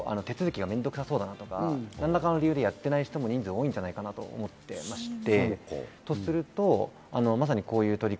まだまだ全然何となく手続きがめんどくさそうだとか、何らかの理由でやってない人が多いんじゃないかなと思っていまして。